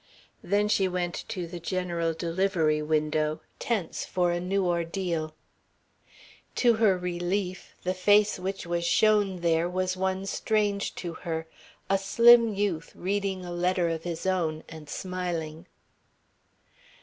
Then she went to the general delivery window, tense for a new ordeal. To her relief, the face which was shown there was one strange to her, a slim youth, reading a letter of his own, and smiling.